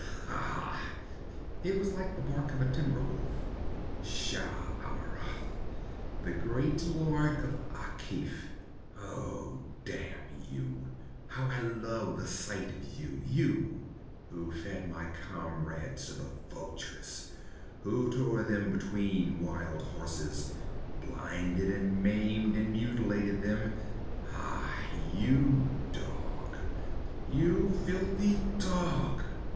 'Ha!' It was like the bark of a timber wolf. 'Shah Amurath, the great Lord of Akif! Oh, damn you, how I love the sight of you you, who fed my comrades to the vultures, who tore them between wild horses, blinded and maimed and mutilated them ai, you dog, you filthy dog!'